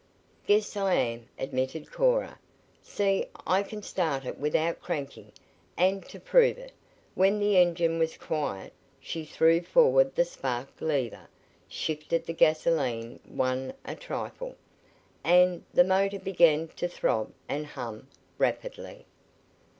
"Guess I am," admitted Cora. "See, I can start it without cranking"; and to prove it, when the engine was quiet, she threw forward the spark lever, shifted the gasolene one a trifle, and the motor began to throb and hum rapidly.